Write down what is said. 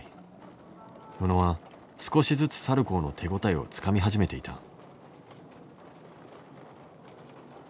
宇野は少しずつサルコーの手応えをつかみ始めていた。